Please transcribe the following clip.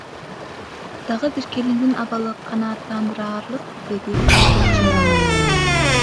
Дагы бир келиндин абалы канаттандыраарлык, — деди Айгерчинова.